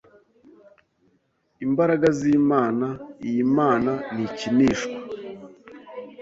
imbaraga z’Imana iyi Mana ntikinishwa